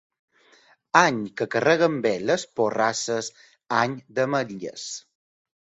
Any que carreguen bé les porrasses, any d'ametlles.